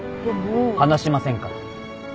離しませんから。